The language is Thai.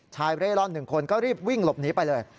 เร่ร่อน๑คนก็รีบวิ่งหลบหนีไปเลย